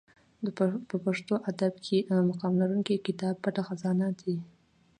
په پښتو ادب کښي مقام لرونکى کتاب پټه خزانه دئ.